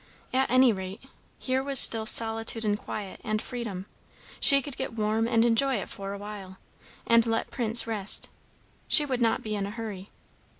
At any rate, here was still solitude and quiet and freedom; she could get warm and enjoy it for awhile, and let Prince rest; she would not be in a hurry.